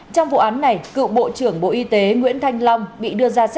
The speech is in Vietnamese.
trong vụ án này cựu bộ trưởng bộ y tế nguyễn thanh long bị đưa ra quyết định